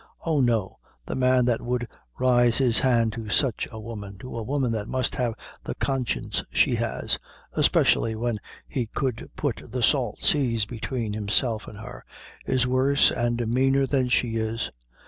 Oh, no, the man that would rise his hand to sich a woman to a woman that must have the conscience she has especially when he could put the salt seas between himself an' her is worse and meaner than she is.